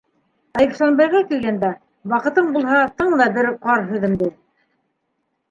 Ә Ихсанбайға килгәндә, ваҡытың булһа, тыңла бер ҡарһүҙемде...